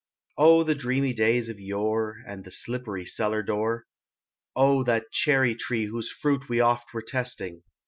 Oil ! the dreamy days of yore, And the slippery cellar door. Oh ! that cherry tree whose fruit we oft Were testing.